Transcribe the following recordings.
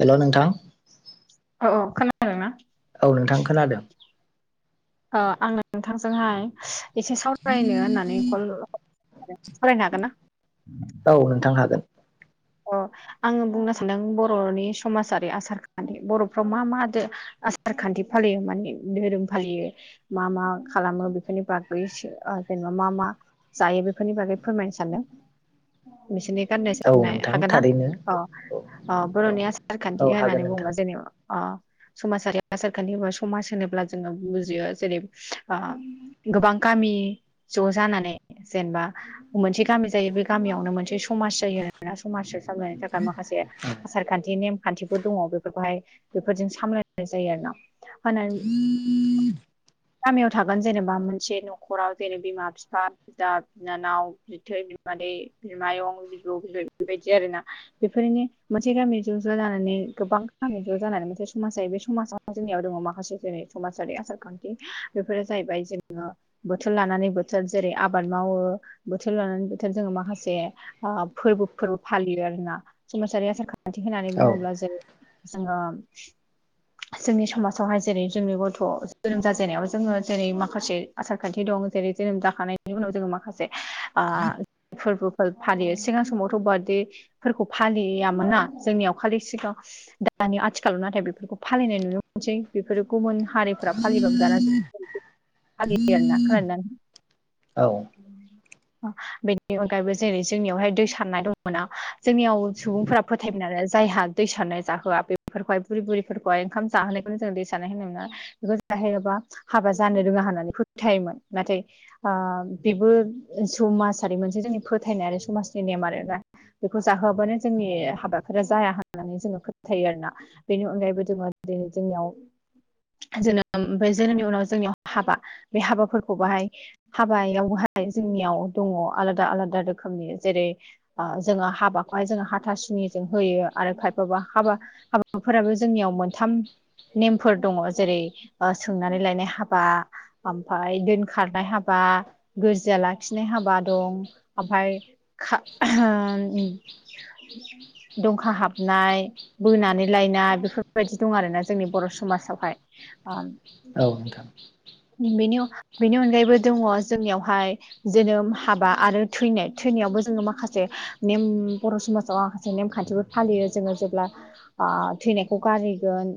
हेल' नोंथां औ औ खोना औ नोंथां खोनादों। ओ आङो नोंथांजोंहाय एसे सावरायनो होननानै कल सावरायनो हागोन ना औ नोंथां हागोन अ आङो बुंनो सानदों बर'नि समाजारि आसार खान्थि बर'फ्राव मा मा दो आसार खान्थि फालियो माने धोरोम फालियो मा मा खालामो बेफोरनि बागै से आ जेनेबा मा मा जायो बेफोरनि बागै फोरमायनो सानदों बेसोरनि गाननाय औ जोमनाय नोंथां हागोना थारैनो अ औ अ औ बर'नि आसारखान्थि औ हागोन होननानै नोंथां बुंब्ला जेनेबा अ समाजारि आसारखान्थि समाज होनोब्ला जोङो बुजियो जेरै ओ गोबां गामि ज' जानानै जेनबा मोनसे गामि जायो बे गामियावनो मोनसे समाज जायो समाज सामलायनायनि थाखाय माखासे आसारखान्थि नेम खान्थिफोर दङ बेफोरखौहाय बेफोरजों सामलायनाय जायो आरो ना होननानै गामियाव थागोन जेनेबा मोनसे न'खराव जेनेब बिमा बिफा। बिदा बिनानाव बिथै बिमादै बिमायं बिबौ बिबौ बेबायदि आरोना। बेफोरनि मोनसे गामि ज' ज' जानानै गोबां गामि ज' जानानै मोनसे समाज जायो बे समाजाव। जोंनियाव दङ माखासे जेरै समाजारि आसार खान्थि बेफोरो जाहैबाय जोङो। बोथोर लानानै बोथोर जेरै आबाद मावो बोथोर लानानै बोथोर जोङो माखासे। ओ फोरबोफोरबो फालियो आरोना समाजारि आसार खान्थि होननानै औ बुङोब्ला जो। जोङो। जोंनि समाजावहाय जेरै जोंनि गथ' जोनोम जाजेननायाव जोङो जेरै माखासे। आसार खान्थि दं जेरै जोनोम जाखांनायनि उनाव जोङो माखास‌े ओ फोरबोफोर फालियो सिगां समावथ फबारथडेफोरखौ फालियामोना जोंनियाव खालि सिगां दानि आथिखालाव नाथाय बेफोरखौ फालिनाय नुनो मोनसै बेफोरो गुबुन हारिफोरा फालिबाबो दाना ज आलियो आरोना खोनादना न औ। बेनि अनगायैबो जेरै जोंनियावहाय दैस सारनाय दंङना जोंनियाव सुबुंफोरा फोथायबाय आरो जायहा दै सारनाय जाहोआ बे फोरखौहाय बुरै बुरिफोरखौहाय ओंखाम जाहोनखौनो जों दै सानाय होनो मोनना। बिखौ जाहोयाबा हाबा जानो रोङा होननानै फोथायोमोन नाथाय ओ बेबो जौमाजारि मोनसे जोंनि फोथायनाय आरो‌ समाजनि नेम आरो ना। बेखौ जाहोआबानो जोंनि हाबाफोरा जाया होननानै जोङो फोथायो आरो ना। बेनि अनगायैबो जोङो दिनै जोंनियाव जोनोम बे जोनोमनि उनाव जोंनियाव हाबा बे हाबाफोरखौ बाहाय हाबायावहाय जोंनियाव दङ आलादा आलादा रोखोमनि जेरै ओ जोङो हाबाखौहाय जों हाथा सुनिजों होयो आरो खायफाबा हाबा हाबाफोराबो जोंनियाव मोनथाम नेमफोर दङ जेरै ओ सोंनानै लायनाय हाबा। ओमफाय दोनखारनाय हाबा गोरजिया लाखिनाय हाबा दं ओमफ्राय खा दंखा हाबनाय। बोनानै लायना बेफोरबायदि दं आरोना जोंनि बर' समाजावहाय। [unintelligible] बिनि अनखा बेनि अनगायैबो दङ जोंनियावहाय जोनोम हाबा आरो थैनाय थैनायावबो ज जोङो माखासे नेम बर' समाजाव माखासे नेमखान्थिबो फालियो जोङो जेब्ला ओ थैनायखौ गारैगोन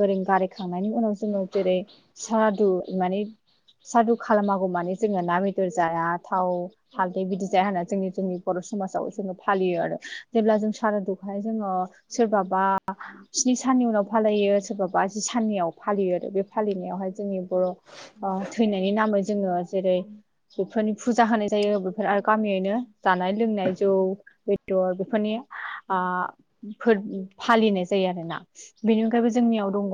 गोरै गारैयखांनायनि उनाव जोङो जेरै सारादु माने सादु खालामागौ मानि जोङो ना बेदर जाया थाव हालदै बिदि जाया होनना जोंनि जोंनि बर' समाजाव जोङो फालियो आरो जेब्ला जों सारादुखौहाय जोङो सोरबाबा स्नि साननि उनाव फालायो सोरबाबा जि साननैयाव फालियो आरो बे फालिनायावहाय जोंनि बर' थैनायनि नामै जोङो जेरै बेफोरनि फुजा होनाय जायो बेफोर आरो गामियैनो। जानाय लोंनाय जौ बेदर बेफोरनि ओ फोर फालिनाय जायो आरो ना बेनि अनगायैबो जोंनियाव दङ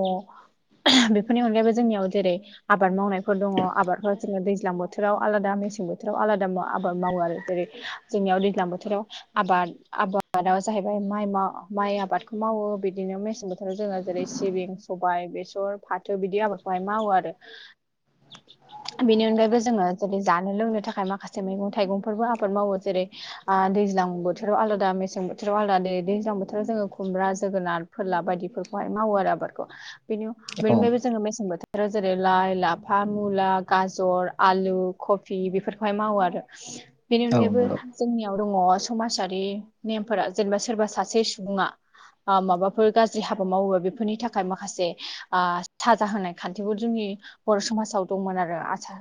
बेफोरनि अनगायैबो जोंनियाव जेरै आबाद मावनायफोर दङ आबादफोर जोङो दैज्लां बोथोराव आलादा मेसें बोथोराव आलादा आबाद मावो आरो। जेरै जोंनियाव दैज्लां बोथोराव आबाद आबादाव जाहैबाय माइ मा माइ आबादखौ मावो बिदिनो मेसें जोङो जेरै सिबिं सबाय बेसर फाथो बिदि आबादखौहाय मावो आरो। बेनि अनगायैबो जोङो जुदि जानो लोंनो थाखाय माखासे मैगं थाइगंफोरबो आबाद मावो। जेरै ओ दैज्लां बोथोराव आलादा मेसें बोथोराव आलादा दै दैज्लां बोथोराव जोङो खुमब्रा जोगोनार फोरला बायदिफोरखौहाय मावो आरो आबादखौ बेनि औ बेनिफ्रायबो जोङो मेसें बोथोर फोराव जेरै लाइ लाफा मुला गाजर आलु कफि बेफोरखौहाय मावो आरो। बेनि औ अनगायैबो नंगौ जोंनियाव दङ समाजारि नेमफोरा जेनेबा सोरबा सासे सुबुङा बा माबाफोर गाज्रि हाबा मावोबा बेफोरनि थाखाय माखासे ओ साजा होनाय खान्थिफोर जोंनि बर' समाजाव दंमोन आरो आसा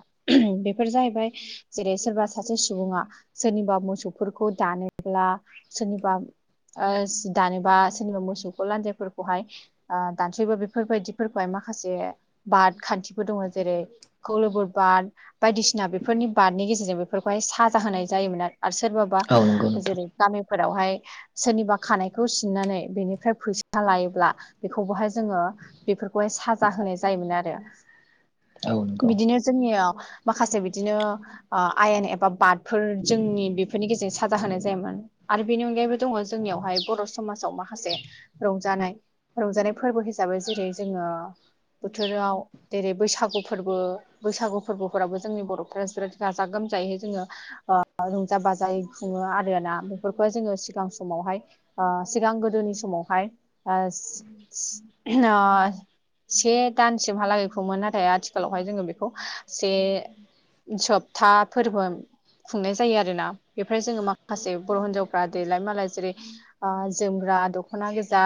बेफोर जाहैबाय जेरै सोरबा सासे सुबुङा सोरनिबा मोसौफोरखौ दानोब्ला सोरनिबा ओस दानोबा सोरनिबा मोसौखौ लान्जायफोरखौहाय ओ दानसैबो बेफोरबायदिफोरखौहाय माखासे बाद खान्थिबो दङ जेरै खौलोबोद बाद बायदिसिना बेफोरनि बादनि गेजेरजों बेफोरखौहाय साजा होनाय जायोमोन आरो आरो सोरबाबा औ नंगौ नोंथां जेरै गामिफोरावहाय सोरनिबा खानायखौ सिननानै बेनिफ्राय फैसा लायोब्ला बेखौबोहाय जोङो बेफोरखौहाय साजा होनाय जायोमोन आरो। औ नंगौ बिदिनो जोंनियाव माखासे बिदिनो ओ आयेन एबा बाद फोर जोंनि बेफोरनि गेजेरजों साजा होनाय जायोमोन। आरो बेनि अनगायैबो दङ जोंनियावहाय बर' समाजाव माखासे रंजानाय रंजानाय फोरबो हिसाबै जेरै जोङो बोथोराव जेरै बैसागु फोरबो बैसागु फोरबोफोराबो जोंनि बर'फोरा जिराद गाजा गोमजायै जोङो ओ रंजा बाजायै खुङो आरो ना बेफोरखौहाय जोङो सिगां समावहाय ओ सिगां गोदोनि समावहाय ओस ओ से दानसिमहालागै खौमोन नाथाय आथिखालावहाय जोङो बेखौ से सप्था फोरबो खुंनाय जायो आरोना बेफ्राय जोङो माखासे बर' हिनजावफ्रा देलाय मालाय जेरै ओ जोमग्रा दख'ना गोजा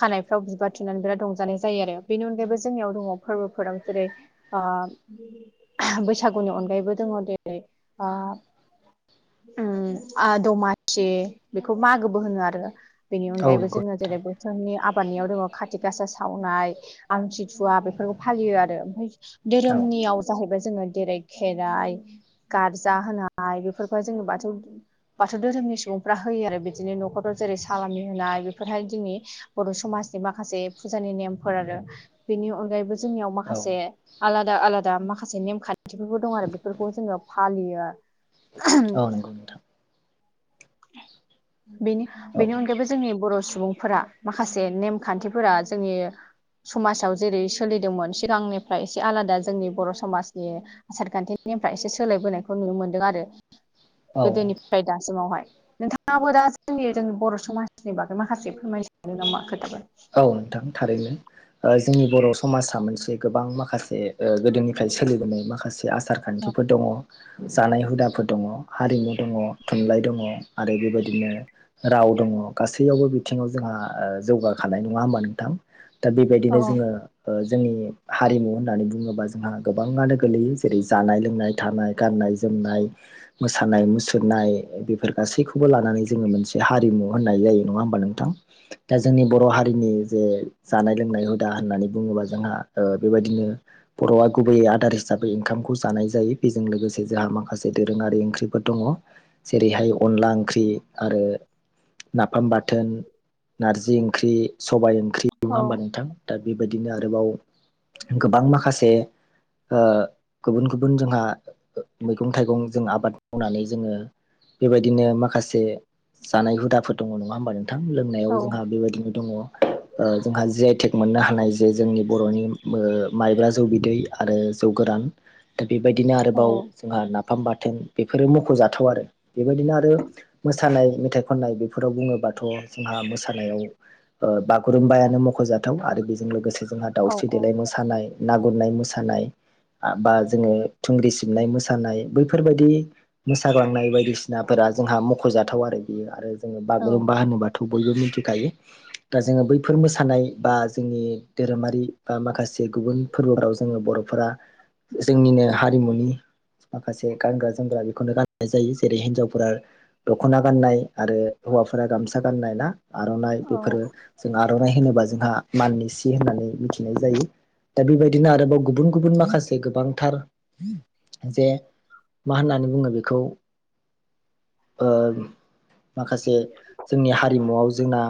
खानायफ्राव बिबार थुनानै बिराद रंजानाय जायो आरो बेनि अनगायैबो जोंनियाव दङ फोरबोफोराव जेरै ओ बैसागुनि अनगायैबो दङ जेरै ओ उम ओ दमाखि बेखौ मागोबो होनो आरो बेनि औ अनगायैबो नंगौ जोङो नोंथां जेरै बोथोरनि आबादनियाव दङ खाथि गासा सावनाय आमथिथुवा बेफोरखौ फालियो आरो। औ धोरोमनियाव जाहैबाय जोङो जेरै खेराइ गाज जाहोनाय बेफोरखौ जोङो बाथौ बाथौ धोरोमनि सुबुंफ्रा होयो आरो बिदिनो न'खराव जेरै सालामि होनाय बेफोरहाय जोंनि बर' समाजनि माखासे फुजानि नेमफोर आरो बेनि अनगायैबो जोंनियाव औ माखासे आलादा आलादा माखासे नेमखान्थिफोरबो दं आरो बेफोरखौ जोङो फालियो। औ नंगौ नोंथां। [unintelligible] बेनि बेनि अनगायैबो जोंनि बर' सुबुंफोरा माखासे नेमखान्थिफोरा जोंनि समाजाव जेरै सोलिदोंमोन सिगांनिफ्राय एसे आलादा जोंनि बर' समाजनि आसार खान्थिनिफ्राय एसे सोलायबोनायखौ नुनो मोनदों आरो औ गोदोनिफ्राय दासिमावहाय नोंथाङाबो दा जोंनि जोंनि बर' समाजनि बागै माखासे फोर [unintelligible] नामा खोथाबो औ नोंथां थारैनो ओ जोंनि बर' समाजा मोनसे गोबां माखासे ओ गोदोनिफ्राय सोलिबोनाय माखासे आसार औ खान्थिफोर दङ जानाय हुदाफोर दङ हारिमु दङ' थुनलाइ दङ'। आरो बेबायदिनो राव दङ' गासैयावबो बिथिङाव जोंहा जौगाख हानाय नङा होमबा नोंथां। दा बेबायदिनो जोङो जोंनि हारिमु होननानै बुङोबा जोंहा गोबाङानो गोलैयो जेरै जानाय लोंनाय थानाय गाननाय जोमनाय मोसानाय मुसुरनाय बेफोर गासैखौबो लानानै जोङो मोनसे हारिमु होननाय जायो। नङा होमबा नोंथां। दा जोंनि बर' हारिनि जे जानाय लोंनाय हुदा होननानै बुङोबा जोंहा ओ बेबायदिनो बर'आ गुबैयै आदार हिसाबै ओंखामखौ जानाय जायो बेजों लोगोसे जोंहा माखासे दोरोङारि ओंख्रिफोर दङ'। जेरैहाय अनला ओंख्रि आरो नाफाम बाथोन, नारजि ओं ख्रि, सबाइ ओंख्रि नङा होमबा नोंथां दा बेबायदिनो आरोबाव गोबां माखासे ओ गुबुन गुबुन जोंहा मैगं थाइगं जों आबाद मावनानै जोङो। बेबायदिनो माखासे जानाय हुदाफोर दङ' नङा होमबा नोंथां औ लोंनायाव जोंहा बेबायदि दङ' ओ जोंहा जि आइ टेक मोननो हानाय जे जोंनि बर'नि ओ माइब्रा जौ बिदै आरो जौ गोरान दा बेबायदिनो औ आरोबाव जोंहा नाफाम बाथोन बेफोरो मख'जाथाव आरो बेबायदिनो आरो मोसानाय मेथाइ खननाय बे फोराव बुङोबाथ' जोंहा मोसानायाव ओ बागुरुम्बायानो मख'जाथाव आरो बेजों लोगोसे जोंहा औ दाउस्रि देलाय मोसा नाय, ना गुरनाय मोसानाय बा जोङो थुंग्रि सिबनाय मोसानाय बैफोरबायदि मोसाग्लांनाय बायदिसिनाफोरा जोंहा मख'जाथाव आरो बियो आरो जोङो औ बागुरुम्बा होनोबाथ' बयबो मिथिखायो। दा जोङो बैफोर मोसानाय बा जोंनि धोरोमारि बा माखासे गुबुन फोरबोफोराव जोङो बर'फोरा जोंनिनो हारिमुनि माखासे गानग्रा जोमग्रा बेखौनो गाननाय जायो जेरै हिन्जावफोरा दख'ना गाननाय आरो हौवाफोरा गामसा गाननाय ना आर'नाइ औ बेफोरो जों आर'नाइ होनोबा जोंहा माननि सि होननानै मिथिनाय जायो। दा बेबायदिनो आरोबाव गुबुन गुबुन माखासे गोबांथार जे मा होननानै बुङो बेखौ ओ माखासे जोंनि हारिमुआव जोंना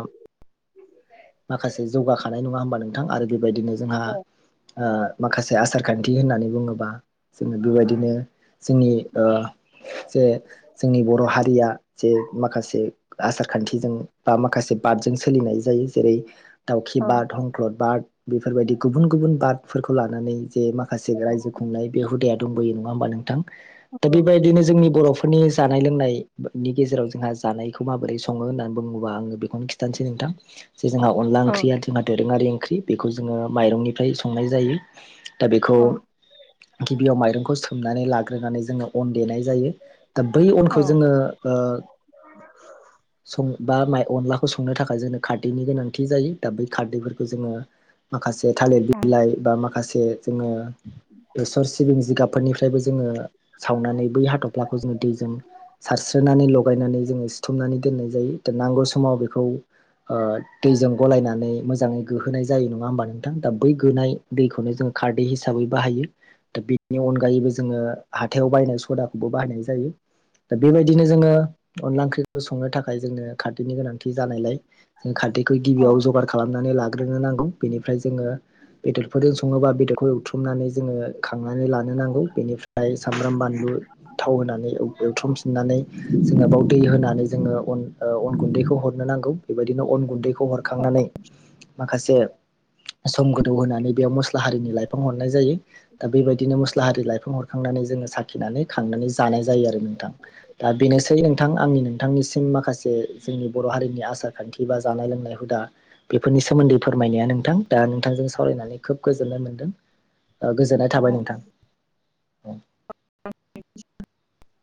माखासे जौगाखानाय नङा होमबा नोंथां। आरो बेबायदिनो जोंहा ओ माखासे आसार खान्थि होननानै बुङोबा जोङो बेबायदिनो जोंनि ओ जे जोंनि बर' हारिया जे माखासे आसार खान्थिजों बा माखासे बादजों सोलिनाय जायो। जेरै दावखि औ बाद, हंख्लद बाद बेफोरबायदि गुबुन गुबुन बादफोरखौ लानानै जे माखासे रायजो खुंनाय बे हुदाया दंबयो नंङा होमबा नोंथां। दा बेबायदिनो जोंनि बर फोरनि जानाय लोंनायनि गेजेराव जोंहा जानायखौ माबोरै सङो होननानै बुङोबा आङो बेखौनो खि [unintelligible] नोंथां जे जोंहा अनला औ ओंख्रिया जोंहा दोरोङारि ओंख्रि बेखौ जोङो माइरंनिफ्राय संनाय जायो दा बेखौ गिबियाव माइरंखौ सोमनानै लाग्रोनानै जोङो अन देनाय जायो दा बै अनखौ जोङो ओ संबा माइ अनला फसंनो थाखाय जोंनो खारदैनि गोनांथि जायो दा बै खारदैफोरखौ जोङो माखासे थालिर बिलाइ बा माखासे जोङो बेसर सिबिं जिगाबफोरनिफ्रायबो जोङो सावनानै बै हाथ'फ्लाखौ जोङो दैजों सारस्रोनानै लगायनानै जोङो सिुथुमनानै दोननाय जायो। दा नांगौ समाव बे खौ ओ दैजों गलायनानै मोजाङै गोहोनाय जायो नङा होमबा नोंथां। दा बै गोनाय दैखौनो जोङो खारदै हिसाबै बाहायो। दा बेनि अनगायैबो जोङो हाथायाव बायनाय सदाखौबो बाहायनाय जायो। दा बेबायदिनो जोङो अनला ओंख्रिखौ संनो थाखाय जोंनो खारदैनि गोनांथि जानायलाय जों खारदैखौ औ गिबियाव जगार खालामनानै लाग्रोनो नांगौ बेनिफ्राय जोङो। बेदरफोरजों सङोबा बेदरखौ एवथ्रुमनानै जोङो खांनानै लानो नांगौ बेनिफ्राय सामब्राम बानलु थाव होनानै एवथ्रमफिननानै जोङो बाव दै होनानै जोङो अन ओ अन गुन्दैखौ हरनो नांगौ बेबायदिनो अन गुन्दैखौ हरखांनानै माखासे सम गोदौ होनानै बेयाव मस्ला हारिनि लाइफां हरनाय जायो। दा बेबायदिनो मस्लाहारि लाइफां हरखांनानै जोङो साखिनानै खांनानै जानाय जायो आरो नोंथां दा बेनोसै नोंथां आंनि नोंथांनिसिम माखासे जोंनि बर' हारिनि आसार खान्थि बा जानाय लोंनाय हुदा बेफोरनि सोमोन्दै फोरमायनाया नोंथां दा नोंथांजों सावरायनानै खोब गोजोननाय मोनदों। गोजोननाय औ थाबाय नोंथां। [unintelligible]